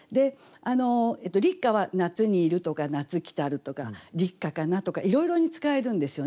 立夏は「夏に入る」とか「夏来る」とか「立夏かな」とかいろいろに使えるんですよね。